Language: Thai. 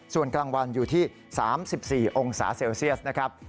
ส่วนกลางวันอยู่ที่๓๔องศาเซลเซียสนะครับ